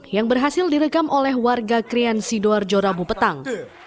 yang berhasil direkam oleh warga krian sidoarjo rabu petang